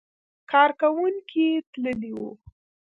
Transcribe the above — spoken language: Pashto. کارکوونکي یې تللي وو.